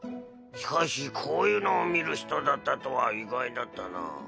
しかしこういうのを見る人だったとは意外だったな。